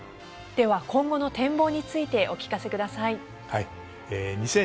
では今後の展望についてお聞かせください。